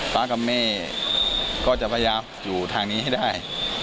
ฟ้ากับแม่ก็จะพยายามอยู่ทางนี้ให้ได้